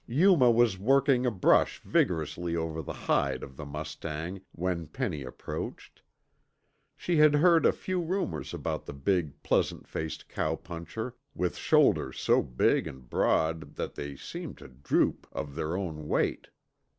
Yuma was working a brush vigorously over the hide of the mustang when Penny approached. She had heard a few rumors about the big, pleasant faced cowpuncher, with shoulders so big and broad that they seemed to droop of their own weight.